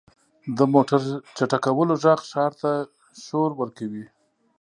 • د موټر چټکولو ږغ ښار ته شور ورکوي.